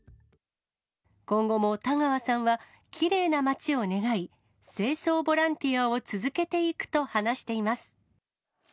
今後も田川さんはきれいな町を願い、清掃ボランティアを続けていくと話しています。